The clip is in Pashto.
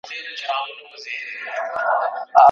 لاندي کړي یې ملکونه کښته پورته